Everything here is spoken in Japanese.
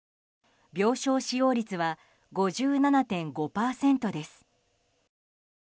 病床使用率は５７．５％です。